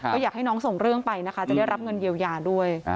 ก็อยากให้น้องส่งเรื่องไปนะคะจะได้รับเงินเยียวยาด้วย